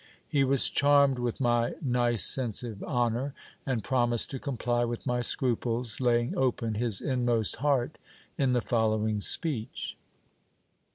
He was charmed with my nice sense of honour, and promised to comply with my scruples, laying open his inmost heart in the following speech.